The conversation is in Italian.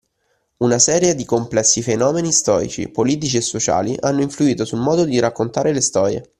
Una serie di complessi fenomeni storici, politici e sociali hanno influito sul modo di raccontare le storie